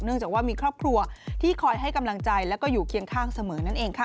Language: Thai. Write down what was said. จากว่ามีครอบครัวที่คอยให้กำลังใจแล้วก็อยู่เคียงข้างเสมอนั่นเองค่ะ